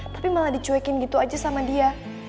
tapi malah dicuekin gitu aja sama dia